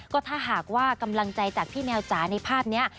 ก็ถ้าหากว่ากำลังใจจากพี่แมวจ๋าในภาพนี้